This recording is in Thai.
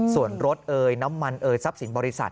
ส่วนรถเอ่ยน้ำมันเอ่ยทรัพย์สินบริษัท